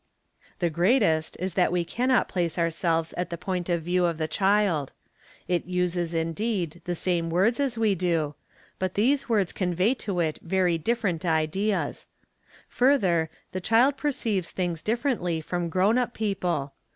The greatest is that we ¢annot place ourselves at the point of view of the child; it uses indeed z I = same words as we do, but these words convey to it very different 'ideas. Further, the child perceives things differently from grown up : eople.